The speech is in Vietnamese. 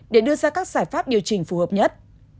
để đưa ra các giải pháp điều chỉnh phù hợp nhất